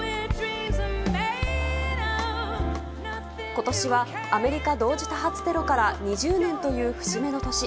今年はアメリカ同時多発テロから２０年という節目の年。